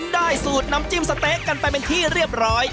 ได้สูตรน้ำจิ้มสะเต๊ะกันไปเป็นที่เรียบร้อย